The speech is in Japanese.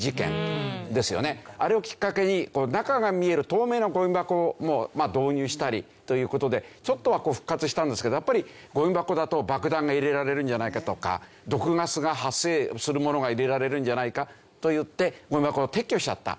あれをきっかけに中が見える透明なゴミ箱を導入したりという事でちょっとは復活したんですけどやっぱりゴミ箱だと爆弾が入れられるんじゃないかとか毒ガスが発生するものが入れられるんじゃないかといってゴミ箱を撤去しちゃった。